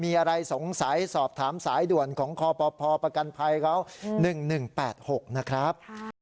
มีอะไรสงสัยสอบถามสายด่วนของคปประกันภัยเขา๑๑๘๖นะครับ